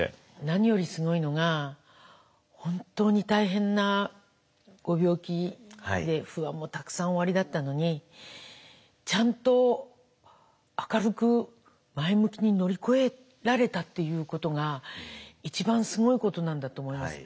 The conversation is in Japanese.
何よりすごいのが本当に大変なご病気で不安もたくさんおありだったのにちゃんと明るく前向きに乗り越えられたっていうことが一番すごいことなんだと思います。